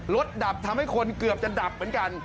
ดับทำให้คนเกือบจะดับเหมือนกัน